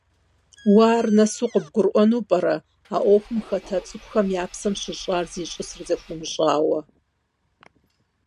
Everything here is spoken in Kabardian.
Уэ ар нэсу къыбгурыӀуэну пӀэрэ, а Ӏуэхум хэта цӀыхухэм я псэм щыщӀар зищӀысыр зыхыумыщӀауэ?